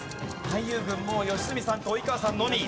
俳優軍もう良純さんと及川さんのみ。